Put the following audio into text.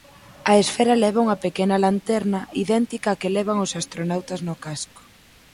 A esfera leva unha pequena lanterna idéntica á que levan os astronautas no casco.